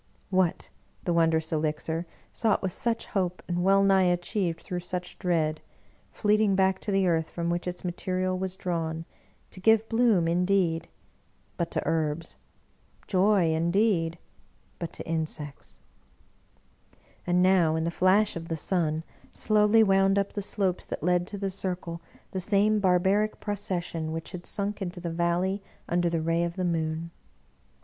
What ! the wondrous elixir, sought with such hope and well nigh achieved through such dread, fleeting back to the earth from which its ma terial was drawn to give bloom, indeed — ^but to herbs ; joy indeed — but to insects 1 And now, in the flash of the sun, slowly wound up the slopes that led to the circle, the same barbaric procession which had sunk into the valley under the ray of the moon.